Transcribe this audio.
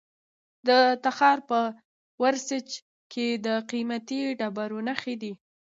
د تخار په ورسج کې د قیمتي ډبرو نښې دي.